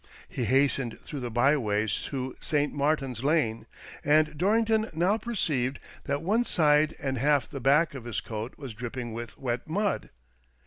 He hastened through the byways to St. Martin's Lane, and Dorrington now perceived that one side and half the back of his coat was dripping with wet mud.